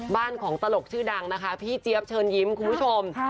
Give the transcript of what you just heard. บ้านของตลกชื่อดังนะคะพี่เจี๊ยบเชิญยิ้มคุณผู้ชม